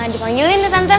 dipanggilin deh tante mami